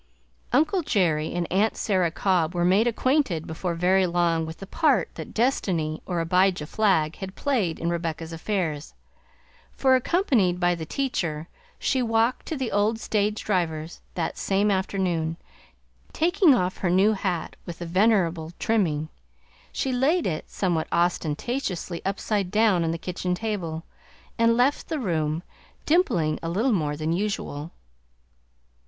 Uncle Jerry and Aunt Sarah Cobb were made acquainted before very long with the part that destiny, or Abijah Flagg, had played in Rebecca's affairs, for, accompanied by the teacher, she walked to the old stage driver's that same afternoon. Taking off her new hat with the venerable trimming, she laid it somewhat ostentatiously upside down on the kitchen table and left the room, dimpling a little more than usual.